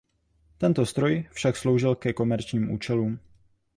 Tento stroj však sloužil ke komerčním účelům.